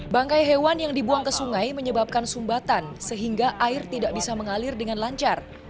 bangkai hewan yang dibuang ke sungai menyebabkan sumbatan sehingga air tidak bisa mengalir dengan lancar